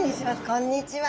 こんにちは！